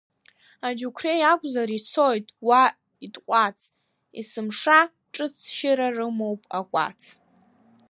Аџьықәреи акәзар, ицоит уа иҭҟәац, есымша, ҿыц шьыра рымоуп акәац.